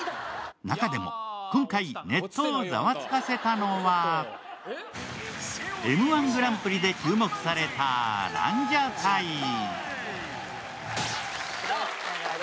中でも今回ネットをザワつかせたのは、Ｍ−１グランプリで注目されたランジャタイ。